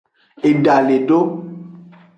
Eda le do.